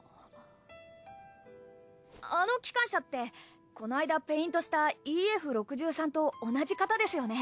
あの機関車ってこの間ペイントしたＥＦ６３と同じ型ですよね。